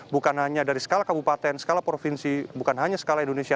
bukan hanya dari skala kabupaten skala provinsi bukan hanya skala indonesia